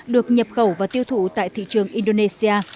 được nhập khẩu và tiêu thụ tại thị trường indonesia